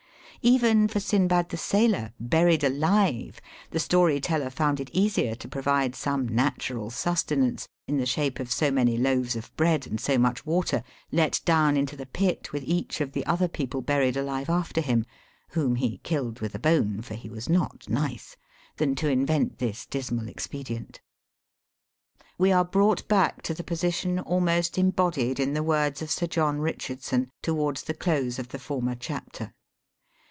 Even for SINBAD the Sailor, buried alive, the story teller found it easier to provide some natural sustenance, in the shape of so many loaves of bread and so much water, let down into the pit with each of the other people buried alive after him (whom he killed with a bone, for he was not nice), than to invent this dismal expedient. "We are brought back to the position almost embodied in the words of Sir John Richard sou towards the close of the former chapter.